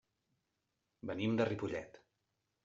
Venim de Ripollet.